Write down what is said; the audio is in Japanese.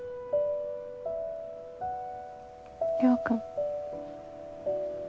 亮君。